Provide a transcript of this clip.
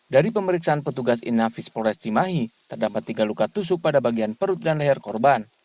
dari pemeriksaan petugas inafis polres cimahi terdapat tiga luka tusuk pada bagian perut dan leher korban